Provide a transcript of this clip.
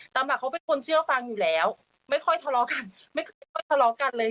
เขาเป็นคนเชื่อฟังอยู่แล้วไม่ค่อยทะเลาะกันไม่ค่อยทะเลาะกันเลย